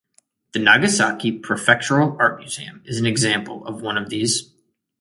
The Nagasaki Prefectural Art Museum is an example of one of these.